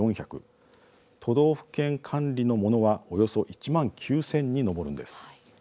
都道府県管理のものはおよそ１万９０００に上るんです。